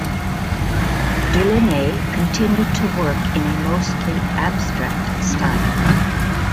Delaunay continued to work in a mostly abstract style.